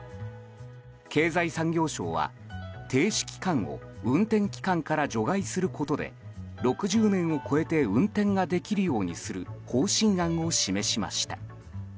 経済産業省は停止期間を運転期間から除外することで６０年を超えて運転ができるようにする方針案を示しました。